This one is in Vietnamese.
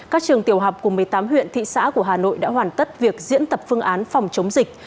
các trường tiểu học của một mươi tám huyện thị xã của hà nội đã hoàn tất việc diễn tập phương án phòng chống dịch